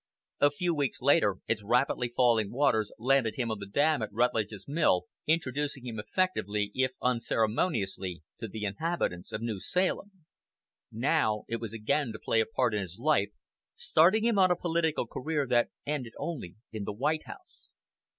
A few weeks later its rapidly falling waters landed him on the dam at Rutledge's mill, introducing him effectively if unceremoniously to the inhabitants of New Salem. Now it was again to play a part in his life, starting him on a political career that ended only in the White House.